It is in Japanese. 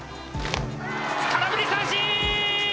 空振り三振！